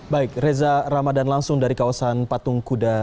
baik reza ramadan langsung dari kawasan patung kuda